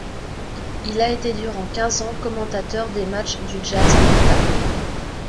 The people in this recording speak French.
Il a été durant quinze ans commentateur des matchs du Jazz de l'Utah.